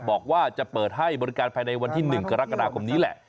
บอกว่าจะเปิดให้บริการภายในวันที่๑กรกฎาคมนี้แหละ